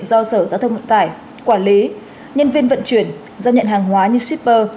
do sở giao thông vận tải quản lý nhân viên vận chuyển gia nhận hàng hóa như shipper